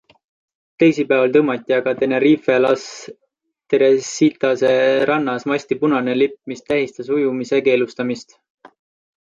Teisipäeval tõmmati aga Tenerife Las Teresitase rannas masti punane lipp, mis tähistas ujumise keelustamist.